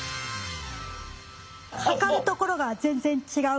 測るところが全然違う。